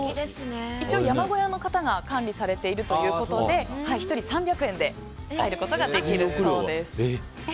山小屋の方が管理されているということで１人３００円で入ることができるそうです。